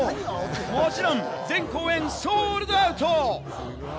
もちろん、全公演ソールドアウト！